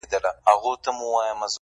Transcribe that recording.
څوک حاجیان دي څوک پیران څوک عالمان دي,